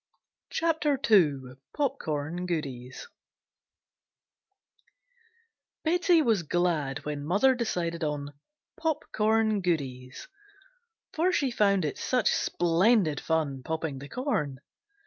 CHAPTER II POPCORN GOODIES BETSEY was glad when mother decided on "Popcorn Goodies," for she found it such splendid fun popping the corn.